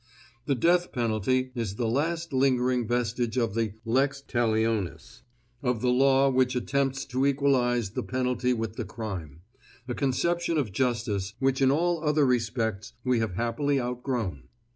The death penalty is the last lingering vestige of the Lex Talionis, of the law which attempts to equalize the penalty with the crime, a conception of justice which in all other respects we have happily outgrown.